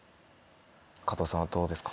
加藤さんはどうですか？